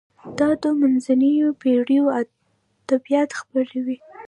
دا د منځنیو پیړیو ادبیات خپروي.